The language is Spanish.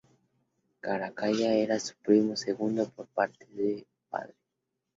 Caracalla era su primo segundo por parte de padre.